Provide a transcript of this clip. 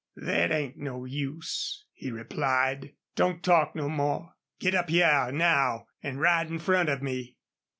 "Thet ain't no use," he replied. "Don't talk no more.... Git up hyar now an' ride in front of me."